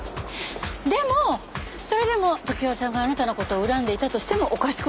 でもそれでも常盤さんがあなたの事を恨んでいたとしてもおかしくはないですよね？